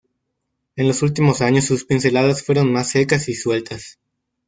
En los últimos años sus pinceladas fueron más secas y sueltas.